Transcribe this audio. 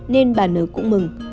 nên bà nờ cũng mừng